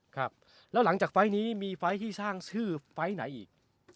ครับแล้วหลังจากไฟล์นี้มีไฟล์ที่สร้างชื่อไฟล์ไหนอีก